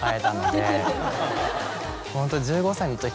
ホント。